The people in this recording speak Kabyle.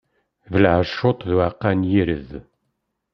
Belɛejjuṭ d uɛeqqa n yired.